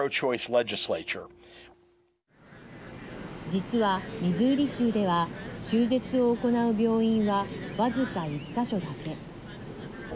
実はミズーリ州では中絶を行う病院は僅か１か所だけ。